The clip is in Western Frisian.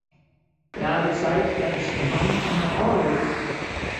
David seit dat er syn hannen fan har ôflûkt.